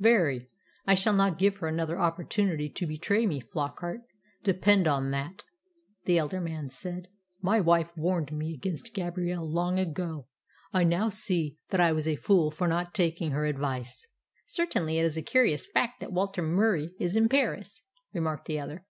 "Very. I shall not give her another opportunity to betray me, Flockart, depend upon that," the elder man said. "My wife warned me against Gabrielle long ago. I now see that I was a fool for not taking her advice." "Certainly it's a curious fact that Walter Murie is in Paris," remarked the other.